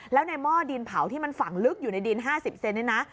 แล้วในหม้อดินเผาที่มันฝังลึกอยู่ในดิน๕๐เซนนี่นะ